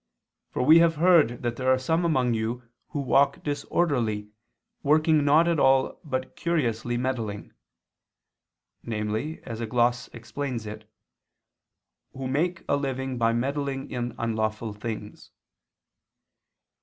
For we have heard that there are some among you who walk disorderly, working not at all, but curiously meddling" (namely, as a gloss explains it, "who make a living by meddling in unlawful things).